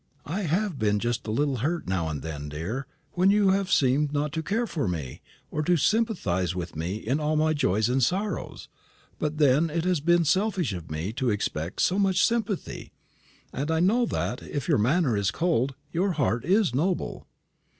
"I have been just a little hurt now and then, dear, when you have seemed not to care for me, or to sympathise with me in all my joys and sorrows; but then it has been selfish of me to expect so much sympathy, and I know that, if your manner is cold, your heart is noble."